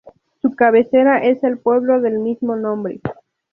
Su cabecera es el pueblo del mismo nombre.